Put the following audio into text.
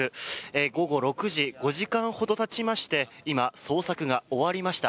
午後６時、５時間ほどたちまして今、捜索が終わりました。